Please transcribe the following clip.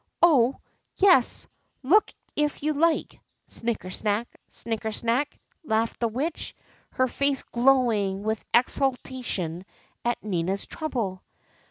Oh ! yes, look if you like ! Snikkesnak ! snikkesnak ! laughed the Witch, her face glowing with exultation at Nina's trouble.